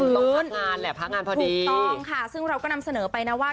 พักงานแหละพักงานพอดีถูกต้องค่ะซึ่งเราก็นำเสนอไปนะว่า